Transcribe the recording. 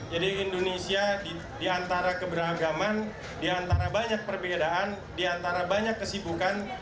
jadi indonesia di antara keberagaman di antara banyak perbedaan di antara banyak kesibukan